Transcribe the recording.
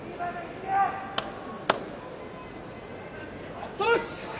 待ったなし。